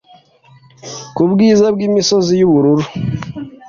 kubwiza bwimisozi yubururu